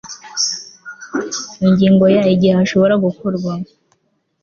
ingingo ya igihe hashobora gukorwa